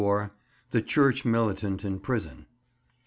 THE CHURCH MILITANT IN PRISON.